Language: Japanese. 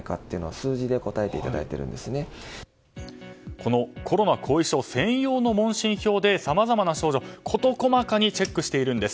このコロナ後遺症専用の問診票でさまざまな症状を事細かにチェックしているんです。